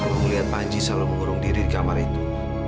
melihat panji selalu mengurung diri di kamar itu